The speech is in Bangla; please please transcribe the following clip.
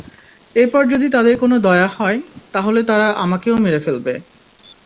এরপর যদি তাদের কোন দয়া হয়, তাহলে তারা আমাকেও মেরে ফেলবে।